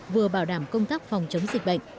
vừa bảo đảm công tác phòng chống dịch bệnh